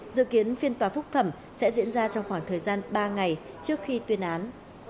dự kiến phiên tòa phúc thẩm sẽ diễn ra trong khoảng thời gian ba ngày trước khi tuyên án